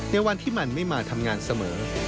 ในวันที่มันไม่มาทำงานเสมอ